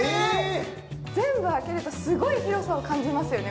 全部開けるとすごい広さを感じますよね。